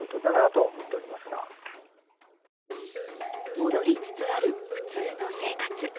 戻りつつある普通の生活。